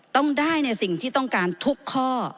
ต้องได้ในสิ่งที่ต้องการทุกข้อ